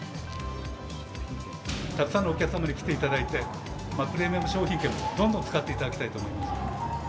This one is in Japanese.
たくさんのお客様に来ていただいて、プレミアム商品券もどんどん使っていただきたいと思います。